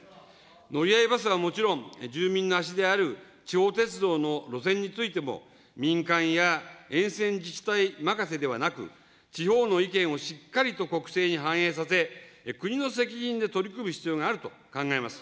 乗合バスはもちろん、住民の足である地方鉄道の路線についても、民間や沿線自治体任せではなく、地方の意見をしっかりと国政に反映させ、国の責任で取り組む必要があると考えます。